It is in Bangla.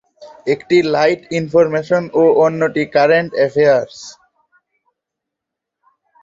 একটি লাইট ইনফরমেশন ও অন্যটি কারেন্ট অ্যাফেয়ার্স।